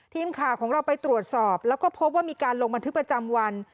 ทีมข่าวของเราไปตรวจสอบแล้วก็พบว่ามีการลงบันทึกประจำวัน